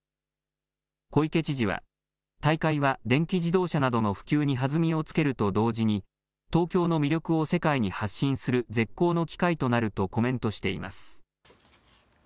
小池知事は、大会は電気自動車などの普及に弾みをつけると同時に東京の魅力を世界に発信する絶好の機会となるとコメントしています。